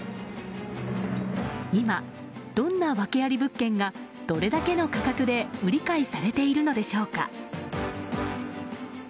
今、どんな訳あり物件がどれだけの価格で売り買いされているのでしょうか。